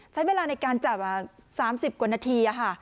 ใช้เวลาในการจับ๓๐กว่านาที